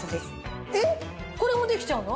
えっこれもできちゃうの？